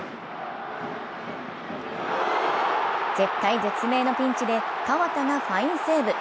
絶体絶命のピンチで河田がファインセーブ。